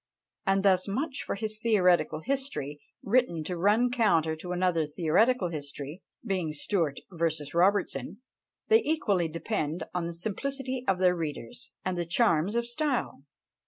and thus much for his theoretical history, written to run counter to another theoretical history, being Stuart versus Robertson! They equally depend on the simplicity of their readers, and the charms of style!